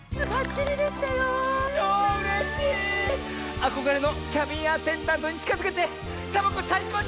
あこがれのキャビンアテンダントにちかづけてサボ子さいこうちょう！